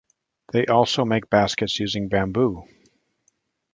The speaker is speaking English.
They also make baskets using bamboo.